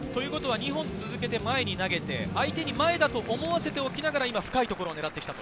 ２本続けて前に投げて、相手に前だと思わせて深いところに投げた。